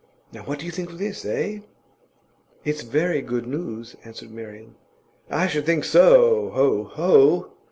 Now what do you think of this, eh?' 'It's very good news,' answered Marian. 'I should think so! Ho, ho!